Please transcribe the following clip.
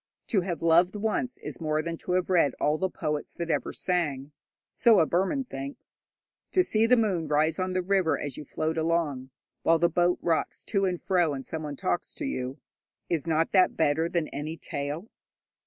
To have loved once is more than to have read all the poets that ever sang. So a Burman thinks. To see the moon rise on the river as you float along, while the boat rocks to and fro and someone talks to you is not that better than any tale?